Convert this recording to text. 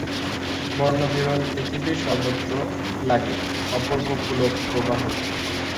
বর্ণ বিরল পৃথিবীর সর্বত্র লাগে অপূর্ব পুলক প্রবাহ।